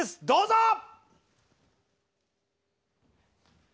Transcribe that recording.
どうぞ！